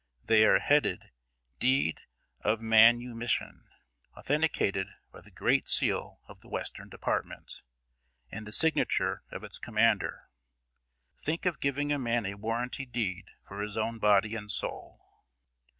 They are headed "Deed of Manumission," authenticated by the great seal of the Western Department, and the signature of its commander. Think of giving a man a warranty deed for his own body and soul!